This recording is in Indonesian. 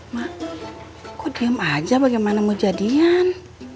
ma kok diem aja bagaimana mau jadian